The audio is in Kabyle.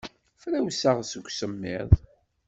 Frawseɣ seg usemmiḍ.